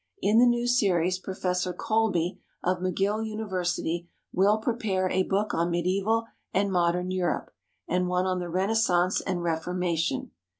In the new series Professor Colby, of McGill University, will prepare a book on Mediæval and Modern Europe, and one on the Renaissance and Reformation.